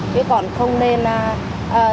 chứ còn không nên là tự lực